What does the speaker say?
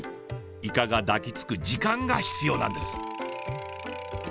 イカが抱きつく時間が必要なんです。